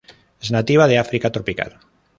Es nativa de África tropical.